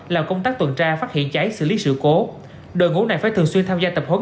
làm công tác tuần tra phát hiện cháy xử lý sự cố đội ngũ này phải thường xuyên tham gia tập huấn